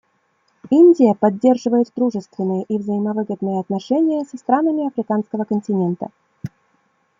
Индия поддерживает дружественные и взаимовыгодные отношения со странами Африканского континента.